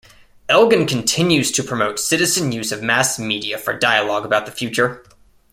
Elgin continues to promote citizen use of mass media for dialogue about the future.